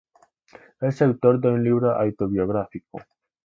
Es autor de un libro autobiográfico.